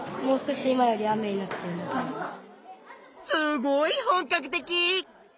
すごい本かく的！